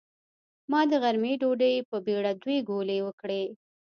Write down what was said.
ما د غرمۍ ډوډۍ په بېړه دوې ګولې وکړې.